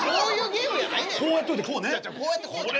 こうやっといてこうね。